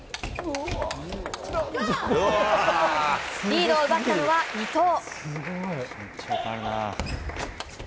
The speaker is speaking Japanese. リードを奪ったのは伊藤。